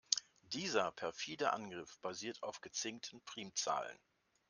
Dieser perfide Angriff basiert auf gezinkten Primzahlen.